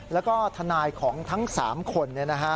แล้วก็ทนายของทั้ง๓คนนะครับ